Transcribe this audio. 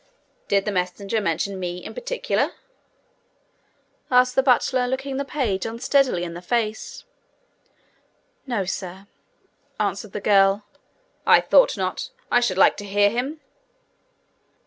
'Did the messenger mention me in particular?' asked the butler, looking the page unsteadily in the face. 'No, sir,' answered the girl. 'I thought not! I should like to hear him!'